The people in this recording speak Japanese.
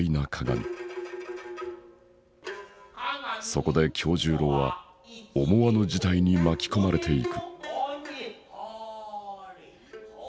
そこで今日十郎は思わぬ事態に巻き込まれていく。